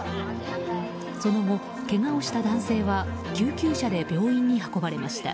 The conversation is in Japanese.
その後、けがをした男性は救急車で病院に運ばれました。